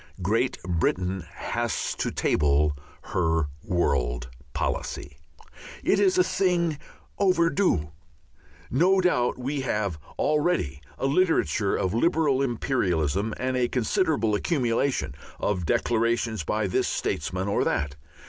Great Britain has to table her world policy. It is a thing overdue. No doubt we have already a literature of liberal imperialism and a considerable accumulation of declarations by this statesman or that.